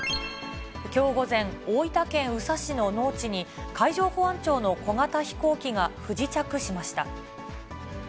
きょう午前、大分県宇佐市の農地に、海上保安庁の小型飛行機が不時着しました。